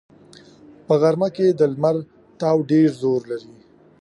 په غرمه کې د لمر تاو ډېر زور لري